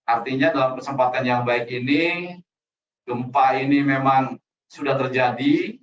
artinya dalam kesempatan yang baik ini gempa ini memang sudah terjadi